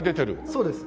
そうです。